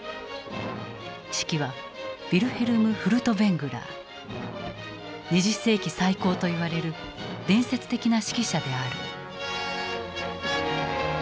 指揮は２０世紀最高と言われる伝説的な指揮者である。